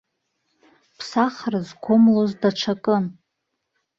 Ԥсахра зқәымлоз даҽакын.